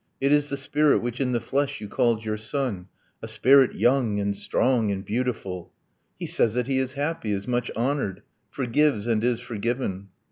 . it is the spirit Which in the flesh you called your son ... A spirit Young and strong and beautiful ... He says that he is happy, is much honored; Forgives and is forgiven